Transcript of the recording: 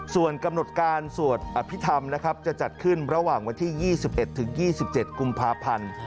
ส่วนกำหนดการสวดอภิษฐรรมนะครับจะจัดขึ้นระหว่างวันที่๒๑๒๗กุมภาพันธ์